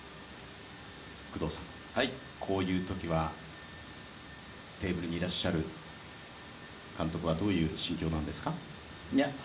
こういうときは、テーブルにいらっしゃる監督はどういう心境なんですか？